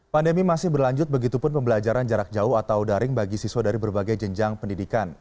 pandemi masih berlanjut begitu pun pembelajaran jarak jauh atau daring bagi siswa dari berbagai jenjang pendidikan